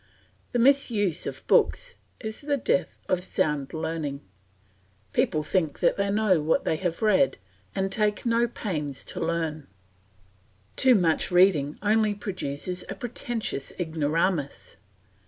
The misuse of books is the death of sound learning. People think they know what they have read, and take no pains to learn. Too much reading only produces a pretentious ignoramus.